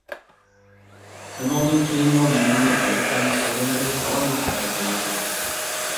شۇنىڭدىن كېيىنمۇ مەدەنىيەت يادىكارلىق ئورۇنلىرى داۋاملىق بايقىلىۋاتىدۇ.